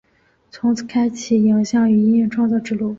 从此开启影像与音乐创作之路。